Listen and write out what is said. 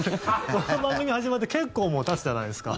この番組始まって結構もうたつじゃないですか。